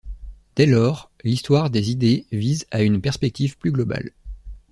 Dès lors, l'histoire des idées vise à une perspective plus globale.